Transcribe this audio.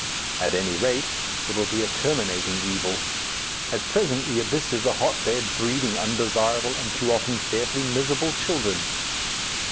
At any rate, it will be a terminating evil. At present the Abyss is a hotbed breeding undesirable and too often fearfully miserable children.